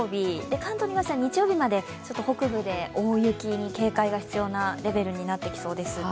関東には日曜日まで、北部で大雪に警戒が必要なレベルになってきそうです。